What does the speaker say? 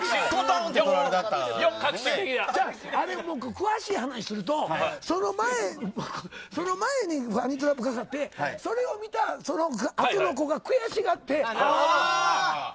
詳しい話すると、その前にハニートラップかかってそれを見たあとの子が悔しがって。